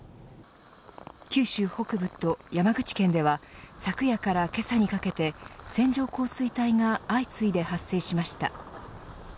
九州北部と山口県では昨夜からけさにかけて線状降水帯が相次いで発生しました。